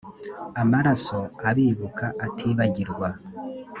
amaraso abibuka atibagirwa